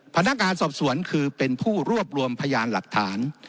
พนักงานสอบสวนคือเป็นผู้รวบรวมพยานหลักฐาน